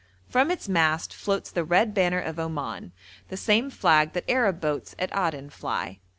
From its mast floats the red banner of Oman, the same flag that Arab boats at Aden fly.